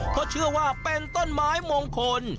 เพราะเชื่อว่าเป็นต้นไม้มงคล